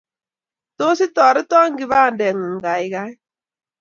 Tos itoretoo kibandingung kaikai?